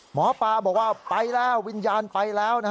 หมอปลาบอกว่าไปแล้ววิญญาณไปแล้ว